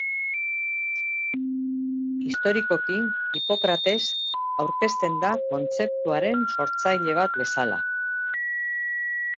Historikoki Hipokrates aurkezten da kontzeptuaren sortzaile bat bezala.